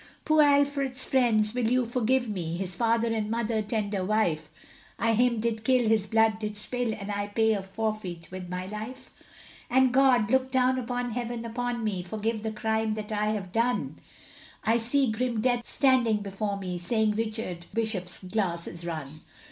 Poor Alfred's friends, will you forgive me, His father, mother, tender wife, I him did kill, his blood did spill, And I pay a forfeit with my life? And God, look down from heaven upon me, Forgive the crime that I have done. I see grim death standing before me, Saying, Richard Bishop's glass is run.